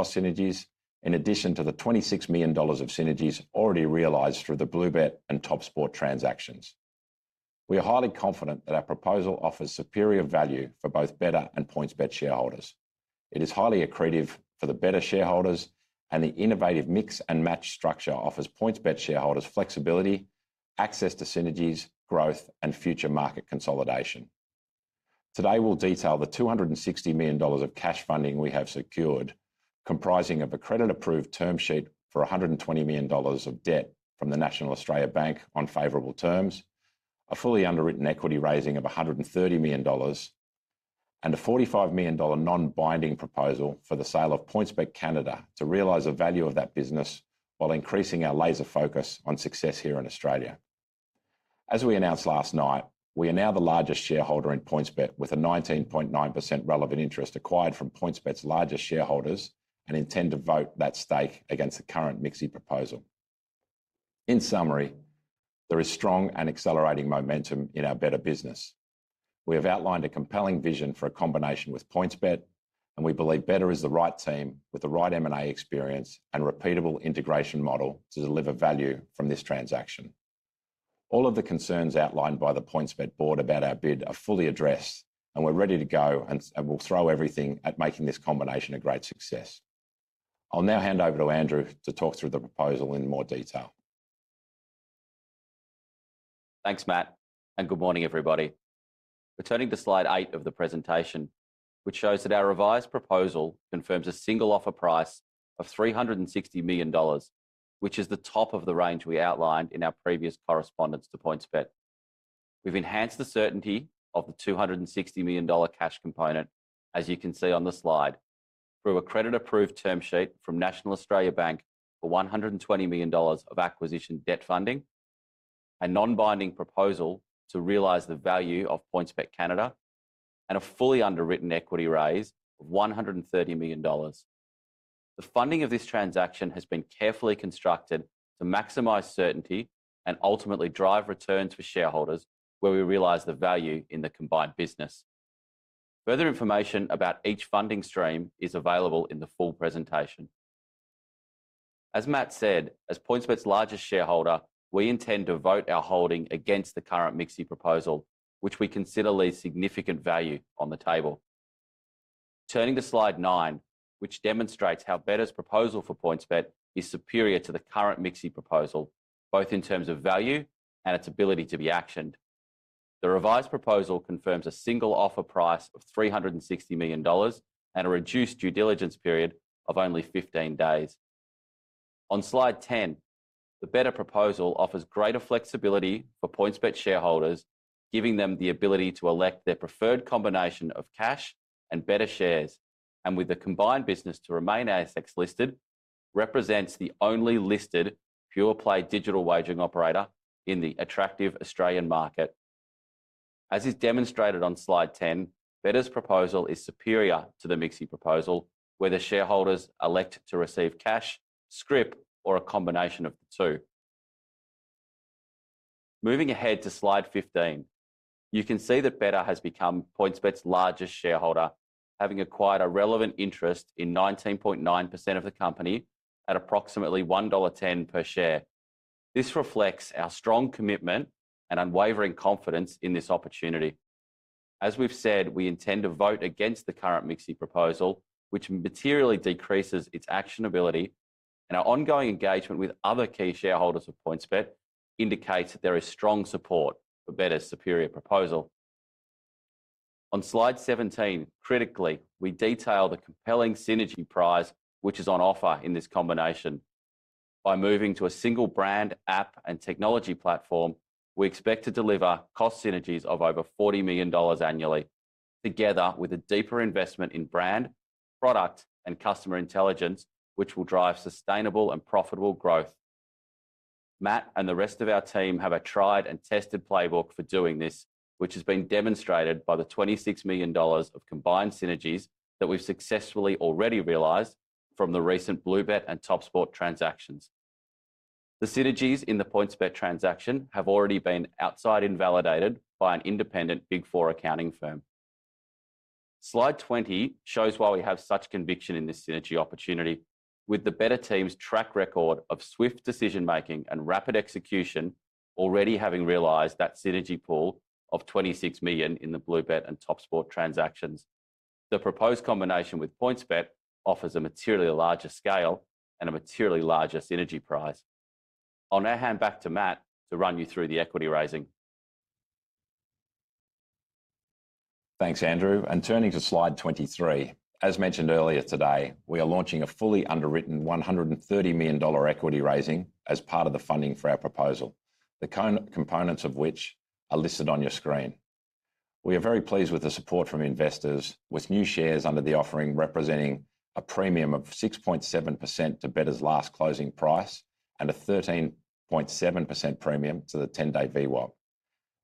Cross synergies, in addition to the 26 million dollars of synergies already realized through the BlueBet and TopSport transactions. We are highly confident that our proposal offers superior value for both Betr and PointsBet shareholders. It is highly accretive for the Betr shareholders, and the innovative mix-and-match structure offers PointsBet shareholders flexibility, access to synergies, growth, and future market consolidation. Today, we'll detail the 260 million dollars of cash funding we have secured, comprising of a credit-approved term sheet for 120 million dollars of debt from the National Australia Bank on favorable terms, a fully underwritten equity raising of 130 million dollars, and an 45 million dollar non-binding proposal for the sale of PointsBet Canada to realize the value of that business while increasing our laser focus on success here in Australia. As we announced last night, we are now the largest shareholder in PointsBet, with a 19.9% relevant interest acquired from PointsBet's largest shareholders, and intend to vote that stake against the current MIXI proposal. In summary, there is strong and accelerating momentum in our Betr business. We have outlined a compelling vision for a combination with PointsBet, and we believe Betr is the right team with the right M&A experience and repeatable integration model to deliver value from this transaction. All of the concerns outlined by the PointsBet board about our bid are fully addressed, and we're ready to go and will throw everything at making this combination a great success. I'll now hand over to Andrew to talk through the proposal in more detail. Thanks, Matt, and good morning, everybody. Returning to slide eight of the presentation, which shows that our revised proposal confirms a single offer price of 360 million dollars, which is the top of the range we outlined in our previous correspondence to PointsBet. We've enhanced the certainty of the 260 million dollar cash component, as you can see on the slide, through a credit-approved term sheet from National Australia Bank for 120 million dollars of acquisition debt funding, a non-binding proposal to realize the value of PointsBet Canada, and a fully underwritten equity raise of 130 million dollars. The funding of this transaction has been carefully constructed to maximize certainty and ultimately drive returns for shareholders where we realize the value in the combined business. Further information about each funding stream is available in the full presentation. As Matt said, as PointsBet's largest shareholder, we intend to vote our holding against the current MIXI proposal, which we consider leaves significant value on the table. Turning to slide nine, which demonstrates how Betr's proposal for PointsBet is superior to the current MIXI proposal, both in terms of value and its ability to be actioned. The revised proposal confirms a single offer price of 360 million dollars and a reduced due diligence period of only 15 days. On slide ten, the Betr proposal offers greater flexibility for PointsBet shareholders, giving them the ability to elect their preferred combination of cash and Betr shares, and with the combined business to remain ASX listed, represents the only listed pure play digital wagering operator in the attractive Australian market. As is demonstrated on slide ten, Betr's proposal is superior to the MIXI proposal, where the shareholders elect to receive cash, scrip, or a combination of the two. Moving ahead to slide fifteen, you can see that Betr has become PointsBet's largest shareholder, having acquired a relevant interest in 19.9% of the company at approximately 1.10 dollar per share. This reflects our strong commitment and unwavering confidence in this opportunity. As we've said, we intend to vote against the current MIXI proposal, which materially decreases its actionability, and our ongoing engagement with other key shareholders of PointsBet indicates that there is strong support for Betr's superior proposal. On slide seventeen, critically, we detail the compelling synergy prize which is on offer in this combination. By moving to a single brand, app, and technology platform, we expect to deliver cost synergies of over 40 million dollars annually, together with a deeper investment in brand, product, and customer intelligence, which will drive sustainable and profitable growth. Matt and the rest of our team have a tried and tested playbook for doing this, which has been demonstrated by the 26 million dollars of combined synergies that we've successfully already realized from the recent BlueBet and TopSport transactions. The synergies in the PointsBet transaction have already been externally validated by an independent Big Four accounting firm. Slide twenty shows why we have such conviction in this synergy opportunity, with the Betr team's track record of swift decision making and rapid execution already having realized that synergy pool of 26 million in the BlueBet and TopSport transactions. The proposed combination with PointsBet offers a materially larger scale and a materially larger synergy prize. I'll now hand back to Matt to run you through the equity raising. Thanks, Andrew. Turning to slide twenty-three, as mentioned earlier today, we are launching a fully underwritten 130 million dollar equity raising as part of the funding for our proposal, the components of which are listed on your screen. We are very pleased with the support from investors, with new shares under the offering representing a premium of 6.7% to Betr's last closing price and a 13.7% premium to the ten-day VWAP.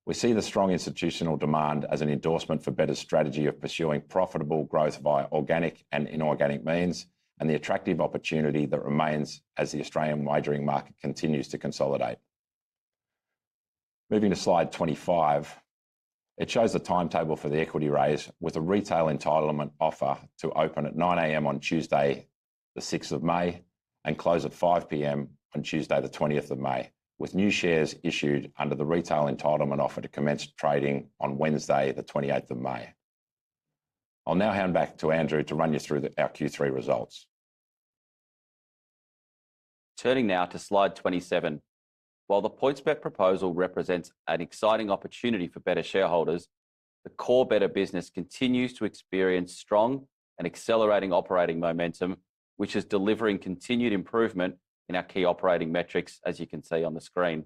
We see the strong institutional demand as an endorsement for Betr's strategy of pursuing profitable growth via organic and inorganic means and the attractive opportunity that remains as the Australian wagering market continues to consolidate. Moving to slide twenty-five, it shows the timetable for the equity raise, with a retail entitlement offer to open at 9:00AM. on Tuesday, 6 May, and close at 5:00PM. on Tuesday, 20 May, with new shares issued under the retail entitlement offer to commence trading on Wednesday, 28 May. I'll now hand back to Andrew to run you through our Q3 results. Turning now to slide twenty-seven, while the PointsBet proposal represents an exciting opportunity for Betr shareholders, the core Betr business continues to experience strong and accelerating operating momentum, which is delivering continued improvement in our key operating metrics, as you can see on the screen.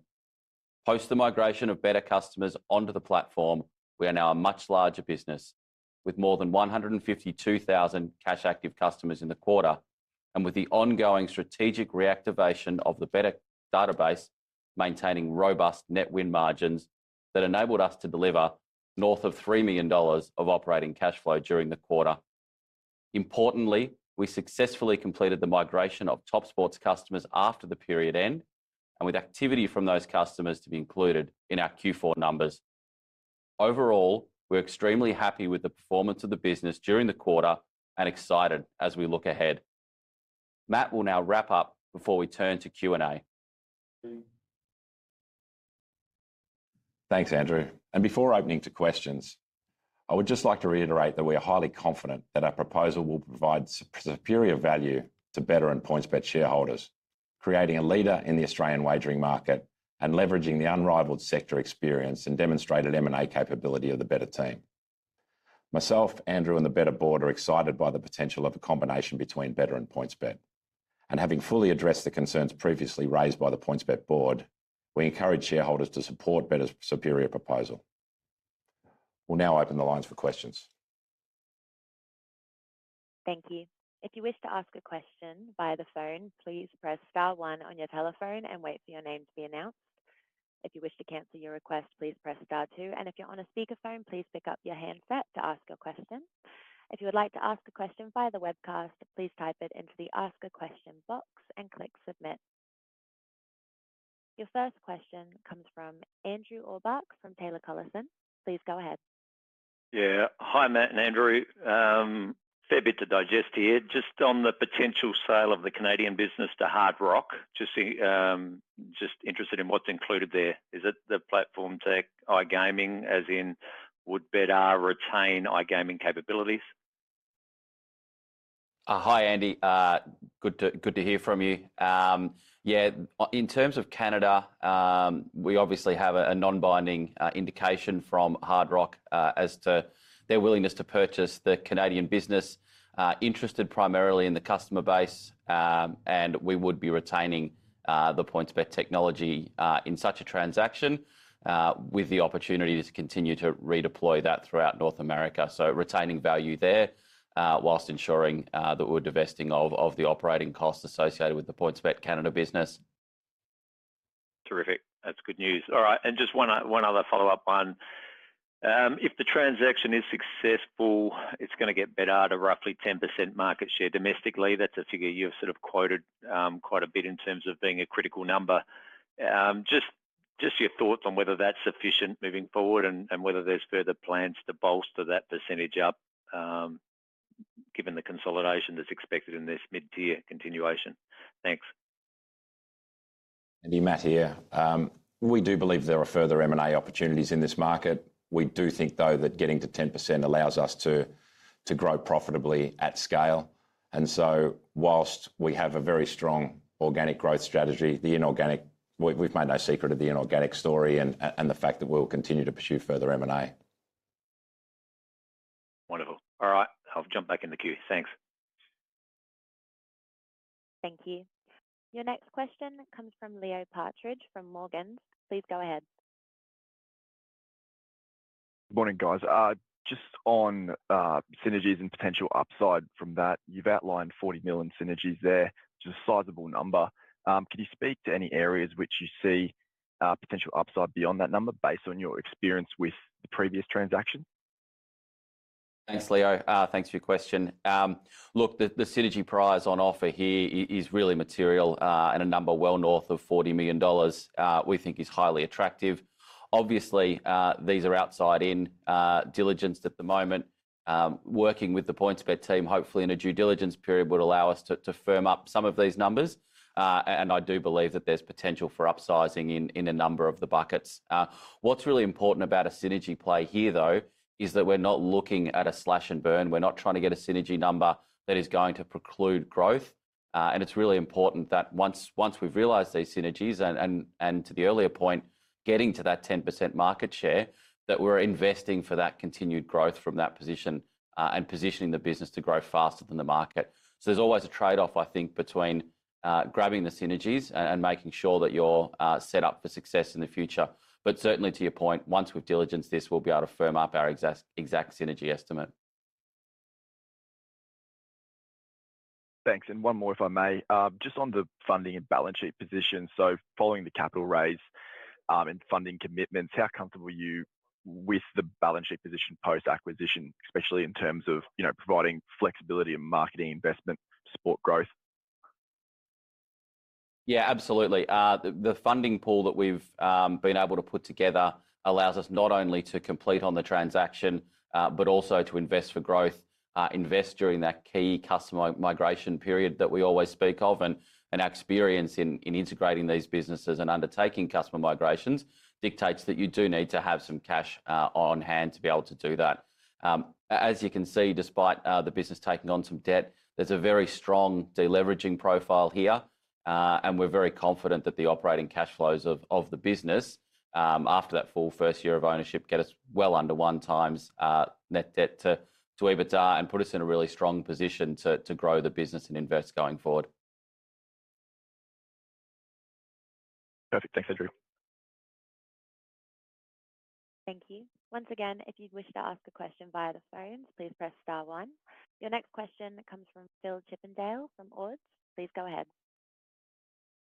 Post the migration of Betr customers onto the platform, we are now a much larger business, with more than 152,000 cash active customers in the quarter, and with the ongoing strategic reactivation of the Betr database, maintaining robust net win margins that enabled us to deliver north of 3 million dollars of operating cash flow during the quarter. Importantly, we successfully completed the migration of TopSport's customers after the period end, and with activity from those customers to be included in our Q4 numbers. Overall, we're extremely happy with the performance of the business during the quarter and excited as we look ahead. Matt will now wrap up before we turn to Q&A. Thanks, Andrew. Before opening to questions, I would just like to reiterate that we are highly confident that our proposal will provide superior value to Betr and PointsBet shareholders, creating a leader in the Australian wagering market and leveraging the unrivaled sector experience and demonstrated M&A capability of the Betr team. Myself, Andrew, and the Betr board are excited by the potential of a combination between Betr and PointsBet. Having fully addressed the concerns previously raised by the PointsBet board, we encourage shareholders to support Betr's superior proposal. We'll now open the lines for questions. Thank you. If you wish to ask a question via the phone, please press star one on your telephone and wait for your name to be announced. If you wish to cancel your request, please press star two. If you're on a speakerphone, please pick up your handset to ask a question. If you would like to ask a question via the webcast, please type it into the ask a question box and click submit. Your first question comes from Andrew Orbach from Taylor Collison. Please go ahead. Yeah. Hi, Matt and Andrew. Fair bit to digest here. Just on the potential sale of the Canadian business to Hard Rock, just interested in what's included there. Is it the platform tech, iGaming, as in would Betr retain iGaming capabilities? Hi, Andy. Good to hear from you. Yeah, in terms of Canada, we obviously have a non-binding indication from Hard Rock as to their willingness to purchase the Canadian business. Interested primarily in the customer base, and we would be retaining the PointsBet technology in such a transaction, with the opportunity to continue to redeploy that throughout North America. Retaining value there whilst ensuring that we're divesting of the operating costs associated with the PointsBet Canada business. Terrific. That's good news. All right. Just one other follow-up one, if the transaction is successful, it's going to get Betr out of roughly 10% market share domestically. That's a figure you've sort of quoted quite a bit in terms of being a critical number. Just your thoughts on whether that's sufficient moving forward and whether there's further plans to bolster that percentage up, given the consolidation that's expected in this mid-tier continuation. Thanks. Andy, Matt here. We do believe there are further M&A opportunities in this market. We do think, though, that getting to 10% allows us to grow profitably at scale. Whilst we have a very strong organic growth strategy, we've made no secret of the inorganic story and the fact that we'll continue to pursue further M&A. Wonderful. All right. I'll jump back in the queue. Thanks. Thank you. Your next question comes from Leo Partridge from Morgans. Please go ahead. Morning, guys. Just on synergies and potential upside from that, you've outlined 40 million synergies there, which is a sizable number. Can you speak to any areas which you see potential upside beyond that number based on your experience with the previous transaction? Thanks, Leo. Thanks for your question. Look, the synergy prize on offer here is really material, and a number well north of 40 million dollars we think is highly attractive. Obviously, these are outside-in diligence at the moment. Working with the PointsBet team, hopefully in a due diligence period, would allow us to firm up some of these numbers. I do believe that there's potential for upsizing in a number of the buckets. What's really important about a synergy play here, though, is that we're not looking at a slash and burn. We're not trying to get a synergy number that is going to preclude growth. It's really important that once we've realized these synergies, and to the earlier point, getting to that 10% market share, that we're investing for that continued growth from that position and positioning the business to grow faster than the market. There is always a trade-off, I think, between grabbing the synergies and making sure that you're set up for success in the future. Certainly, to your point, once we've diligenced this, we'll be able to firm up our exact synergy estimate. Thanks. One more, if I may. Just on the funding and balance sheet position, following the capital raise and funding commitments, how comfortable are you with the balance sheet position post-acquisition, especially in terms of providing flexibility and marketing investment, support growth? Yeah, absolutely. The funding pool that we've been able to put together allows us not only to complete on the transaction, but also to invest for growth, invest during that key customer migration period that we always speak of. Our experience in integrating these businesses and undertaking customer migrations dictates that you do need to have some cash on hand to be able to do that. As you can see, despite the business taking on some debt, there's a very strong deleveraging profile here. We're very confident that the operating cash flows of the business after that full first year of ownership get us well under one times net debt to EBITDA and put us in a really strong position to grow the business and invest going forward. Perfect. Thanks, Andrew. Thank you. Once again, if you'd wish to ask a question via the phone, please press star one. Your next question comes from Phil Chippendale from Ord. Please go ahead.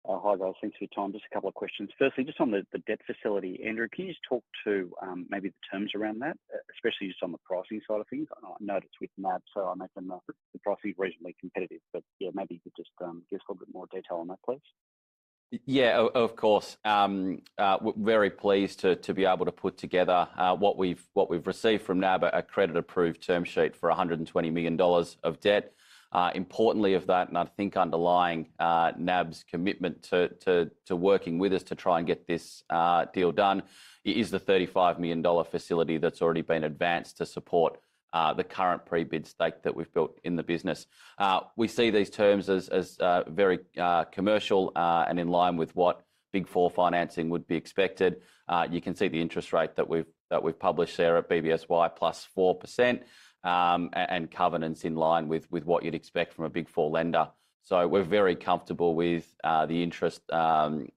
Hi, guys. Thanks for your time. Just a couple of questions. Firstly, just on the debt facility, Andrew, can you just talk to maybe the terms around that, especially just on the pricing side of things? I know it's with National Australia Bank, so I imagine the pricing is reasonably competitive. Yeah, maybe you could just give us a little bit more detail on that, please. Yeah, of course. Very pleased to be able to put together what we've received from National Australia Bank, a credit-approved term sheet for 120 million dollars of debt. Importantly of that, and I think underlying National Australia Bank's commitment to working with us to try and get this deal done, is the 35 million dollar facility that's already been advanced to support the current pre-bid stake that we've built in the business. We see these terms as very commercial and in line with what Big Four financing would be expected. You can see the interest rate that we've published there at BBSY plus 4% and covenants in line with what you'd expect from a Big Four lender. We are very comfortable with the interest and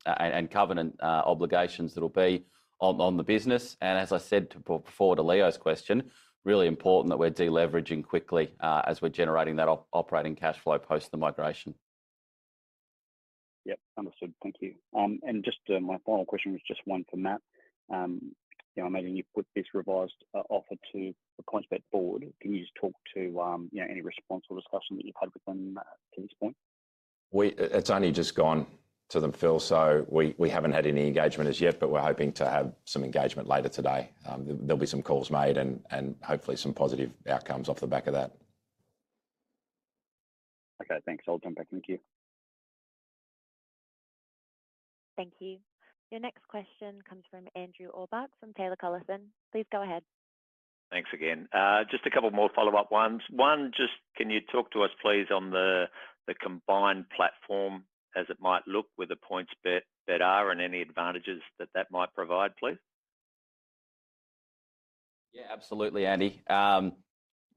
covenant obligations that will be on the business. As I said before to Leo's question, really important that we're deleveraging quickly as we're generating that operating cash flow post the migration. Yep, understood. Thank you. My final question was just one for Matt. Imagine you put this revised offer to the PointsBet board. Can you just talk to any response or discussion that you've had with them to this point? It's only just gone to them, Phil, so we haven't had any engagement as yet, but we're hoping to have some engagement later today. There'll be some calls made and hopefully some positive outcomes off the back of that. Okay, thanks. I'll jump back in here. Thank you. Your next question comes from Andrew Orbach from Taylor Collison. Please go ahead. Thanks again. Just a couple more follow-up ones. One, just can you talk to us, please, on the combined platform as it might look with the PointsBet, Betr, and any advantages that that might provide, please? Yeah, absolutely, Andy.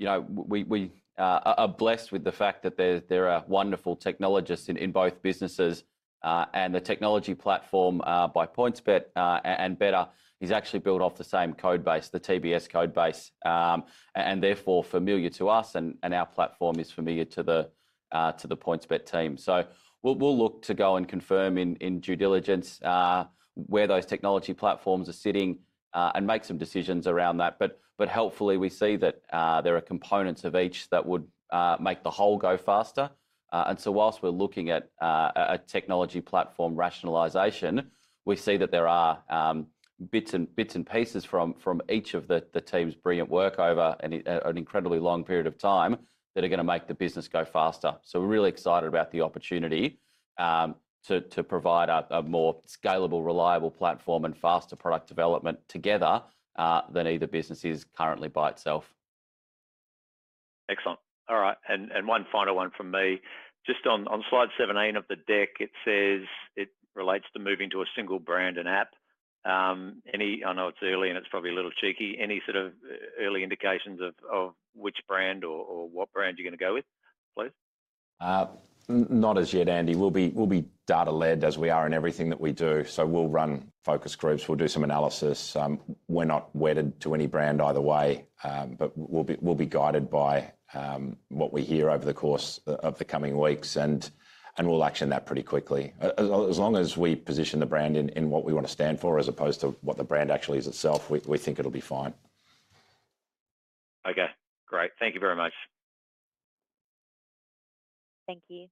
We are blessed with the fact that there are wonderful technologists in both businesses. The technology platform by PointsBet and Betr is actually built off the same code base, the TBS code base, and therefore familiar to us. Our platform is familiar to the PointsBet team. We will look to go and confirm in due diligence where those technology platforms are sitting and make some decisions around that. Hopefully we see that there are components of each that would make the whole go faster. Whilst we are looking at a technology platform rationalization, we see that there are bits and pieces from each of the team's brilliant work over an incredibly long period of time that are going to make the business go faster. We're really excited about the opportunity to provide a more scalable, reliable platform and faster product development together than either business is currently by itself. Excellent. All right. One final one from me. Just on slide 17 of the deck, it relates to moving to a single brand and app. I know it's early and it's probably a little cheeky. Any sort of early indications of which brand or what brand you're going to go with, please? Not as yet, Andy. We'll be data-led as we are in everything that we do. We'll run focus groups. We'll do some analysis. We're not wedded to any brand either way, but we'll be guided by what we hear over the course of the coming weeks, and we'll action that pretty quickly. As long as we position the brand in what we want to stand for as opposed to what the brand actually is itself, we think it'll be fine. Okay, great. Thank you very much. Thank you.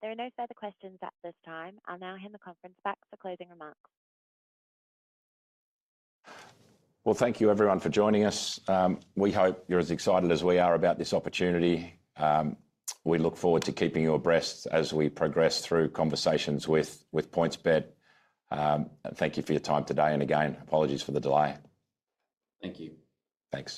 There are no further questions at this time. I'll now hand the conference back for closing remarks. Thank you, everyone, for joining us. We hope you're as excited as we are about this opportunity. We look forward to keeping you abreast as we progress through conversations with PointsBet. Thank you for your time today. Again, apologies for the delay. Thank you. Thanks.